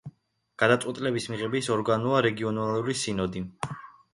გადაწყვეტილების მიღების ორგანოა რეგიონალური სინოდი.